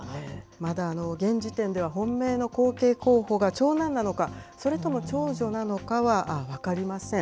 まだ現時点では、本命の後継候補が長男なのか、それとも長女なのかは分かりません。